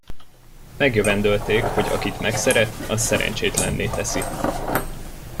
Megjövendölték, hogy akit megszeret, az szerencsétlenné teszi.